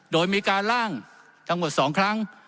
โดยมีการล่างทั้งหมด๒ครั้ง